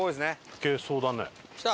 いけそうだね。